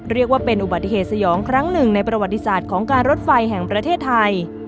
เรียกว่าเป็นอุบัติเหตุสยองครั้งหนึ่งในประวัติศาสตร์ของการรถไฟแห่งประเทศไทย